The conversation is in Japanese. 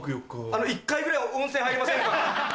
１回ぐらい温泉入りませんか？